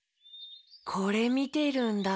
これみてるんだ。